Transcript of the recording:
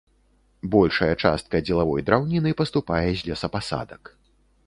Большая частка дзелавой драўніны паступае з лесапасадак.